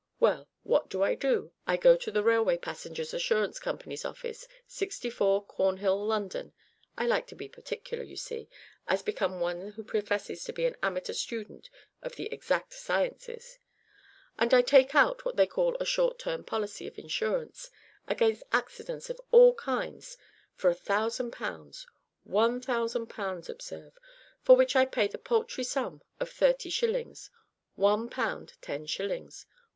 Well, what do I do? I go to the Railway Passengers Assurance Company's Office, 64 Cornhill, London, (I like to be particular, you see, as becomes one who professes to be an amateur student of the exact sciences), and I take out what they call a Short Term Policy of Insurance against accidents of all kinds for a thousand pounds 1000 pounds, observe for which I pay the paltry sum of 30 shillings 1 pound, 10 shillings.